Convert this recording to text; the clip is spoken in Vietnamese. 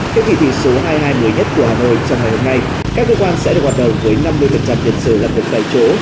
các vị thị số hai hai mới nhất của hà nội trong hai hôm nay các cơ quan sẽ được hoạt động với năm mươi tiền sử lập được tại chỗ